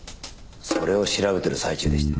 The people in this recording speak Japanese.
それを調べてる最中でして。